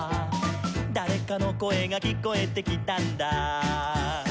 「だれかのこえがきこえてきたんだ」